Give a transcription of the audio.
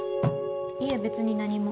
いえ別に何も。